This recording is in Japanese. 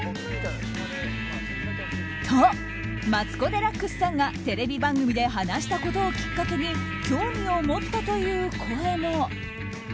と、マツコ・デラックスさんがテレビ番組で話したことをきっかけに興味を持ったという声も。